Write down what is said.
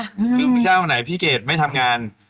คือเจ้าไหนพี่เกดไม่ทำงาน